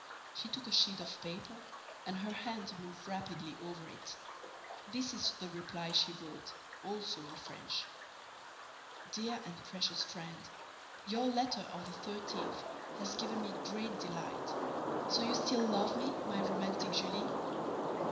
She took a sheet of paper and her hand moved rapidly over it. This is the reply she wrote, also in French: Dear and precious Friend, Your letter of the 13th has given me great delight. So you still love me, my romantic Julie?